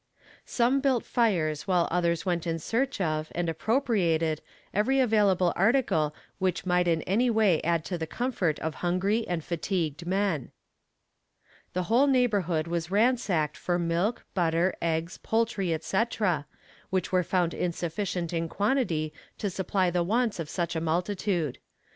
Some built fires while others went in search of, and appropriated, every available article which might in any way add to the comfort of hungry and fatigued men. The whole neighborhood was ransacked for milk, butter, eggs, poultry, etc. which were found insufficient in quantity to supply the wants of such a multitude.